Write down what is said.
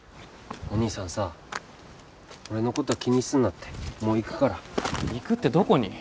お兄さんさ俺のことは気にすんなってもう行くから行くってどこに？